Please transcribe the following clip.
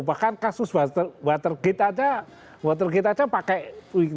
bahkan kasus watergate aja pakai